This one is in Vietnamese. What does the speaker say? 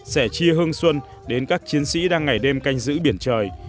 sẽ chia hương xuân đến các chiến sĩ đang ngày đêm canh giữ biển trời